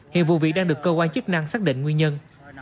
hiện vụ việc đang được cơ quan chức năng xác định nguyên nhân